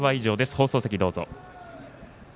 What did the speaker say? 放送席どうぞ。